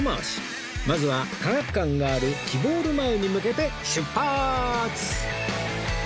まずは科学館があるきぼーる前に向けて出発！